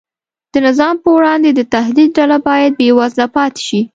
د نظام پر وړاندې د تهدید ډله باید بېوزله پاتې شي.